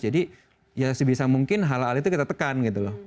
jadi ya sebisa mungkin hal hal itu kita tekan gitu loh